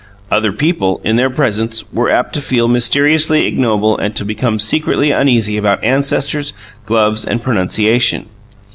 Other people, in their presence, were apt to feel mysteriously ignoble and to become secretly uneasy about ancestors, gloves, and pronunciation.